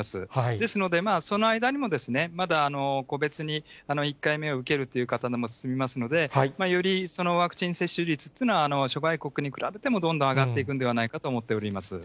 ですので、その間にもまだ個別に１回目を受けるという方も進みますので、よりワクチン接種率というのは、諸外国に比べてもどんどん上がっていくんではないかと思っております。